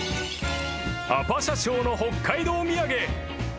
［アパ社長の北海道土産］